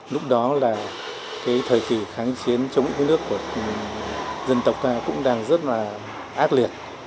lúc đó là cái thời kỳ kháng chiến chống cái nước của dân tộc ta cũng đang rất là ác liệt